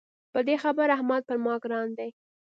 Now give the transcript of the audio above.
په دې خبره احمد پر ما ګران دی.